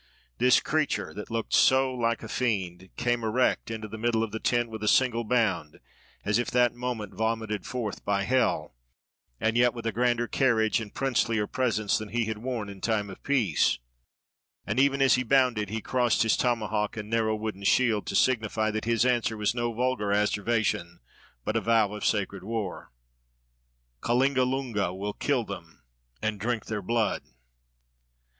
This creature, that looked so like a fiend, came erect into the middle of the tent with a single bound, as if that moment vomited forth by hell, and yet with a grander carriage and princelier presence than he had worn in time of peace; and even as he bounded he crossed his tomahawk and narrow wooden shield, to signify that his answer was no vulgar asseveration, but a vow of sacred war. "KALINGALUNGA WILL KILL THEM, AND DRINK THEIR BLOOD."